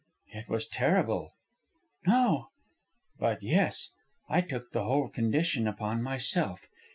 "It was terrible." "No." "But, yes. I took the whole condition upon myself.